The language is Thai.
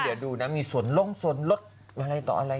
เดี๋ยวดูนะมีส่วนลงส่วนลดอะไรต่ออะไร